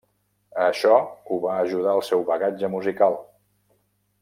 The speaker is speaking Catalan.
A això ho va ajudar el seu bagatge musical.